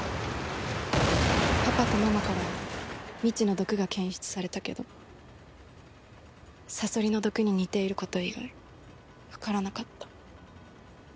パパとママからは未知の毒が検出されたけどサソリの毒に似ていること以外わからなかった。